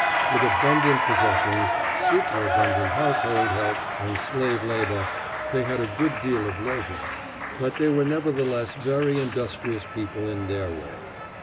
With abundant possessions, superabundant household help and slave labor, they had a good deal of leisure, but they were nevertheless very industrious people in their way.